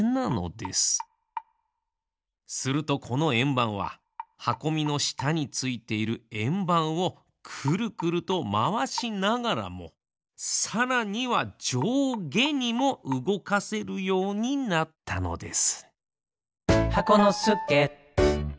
するとこのえんばんははこみのしたについているえんばんをくるくるとまわしながらもさらにはじょうげにもうごかせるようになったのです。